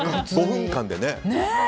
５分間でね。